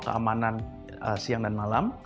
keamanan siang dan malam